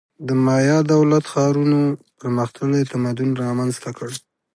د مایا دولت-ښارونو پرمختللی تمدن رامنځته کړ.